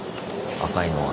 赤いのが。